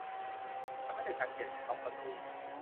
ฉันไม่ได้สังเกตเห็นล็อคประตู